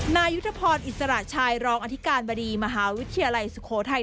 นายุทธพรอิสระชายรองอธิการบดีมหาวิทยาลัยสุโขทัย